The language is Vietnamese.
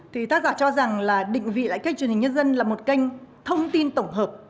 thì tác giả cho rằng là định vị lại kênh truyền hình nhân dân là một kênh thông tin tổng hợp